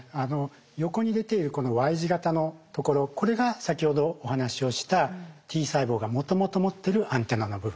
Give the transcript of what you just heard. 横に出ているこのＹ字型のところこれが先ほどお話をしたＴ細胞がもともと持ってるアンテナの部分。